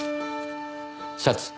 シャツ。